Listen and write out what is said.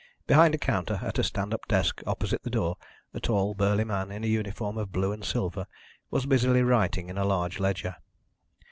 Behind a counter, at a stand up desk opposite the door, a tall burly man in a uniform of blue and silver was busily writing in a large ledger.